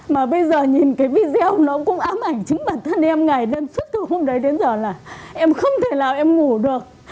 mà bây giờ nhìn cái video nó cũng ám ảnh chứng bản thân em ngày lên suốt từ hôm đấy đến giờ là em không thể nào em ngủ được